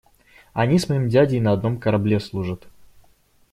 Они с моим дядей на одном корабле служат.